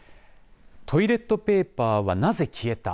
トイレットペーパーはなぜ消えた？